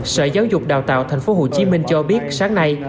sở giáo dục đào tạo tp hcm cho biết sáng nay